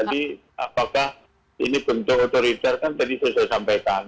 jadi apakah ini bentuk otoriter kan tadi saya sudah sampaikan